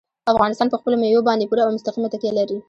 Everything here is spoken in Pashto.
افغانستان په خپلو مېوو باندې پوره او مستقیمه تکیه لري.